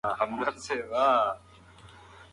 که غواړې اللهﷻ درسره مینه وکړي نو نېکي کوه.